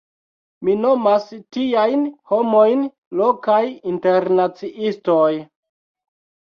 Mi nomas tiajn homojn “lokaj internaciistoj”.